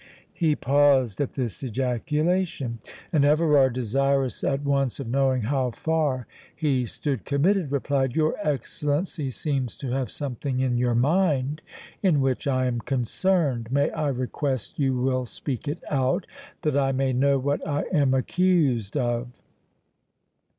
He paused at this ejaculation; and Everard, desirous at once of knowing how far he stood committed, replied, "Your Excellency seems to have something in your mind in which I am concerned. May I request you will speak it out, that I may know what I am accused of?"